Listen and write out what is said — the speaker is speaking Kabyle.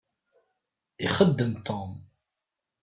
Ixeddem Tom.